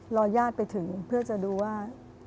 ญาติไปถึงเพื่อจะดูว่า